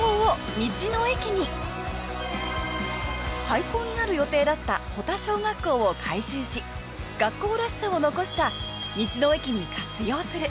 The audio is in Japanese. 廃校になる予定だった保田小学校を改修し学校らしさを残した道の駅に活用する。